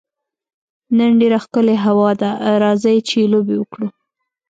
نن ډېره ښکلې هوا ده، راځئ چي لوبي وکړو.